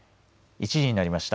１時になりました。